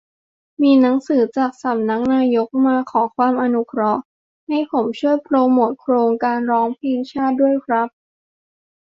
มีหนังสือจากสำนักนายกมา "ขอความอนุเคราะห์" ให้ผมช่วยโปรโมตโครงการร้องเพลงชาติด้วยครับ -"